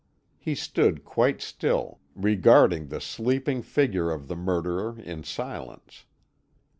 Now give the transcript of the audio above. He stood quite still, regarding the sleeping figure of the murderer in silence.